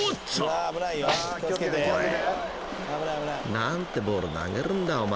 ［何てボール投げるんだお前。